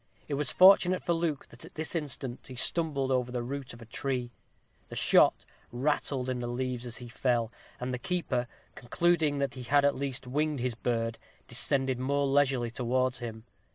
It was fortunate for Luke that at this instant he stumbled over the root of a tree the shot rattled in the leaves as he fell, and the keeper, concluding that he had at least winged his bird, descended more leisurely towards him.